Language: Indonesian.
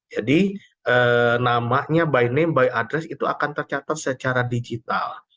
jadi namanya by name by address itu akan tercatat secara digital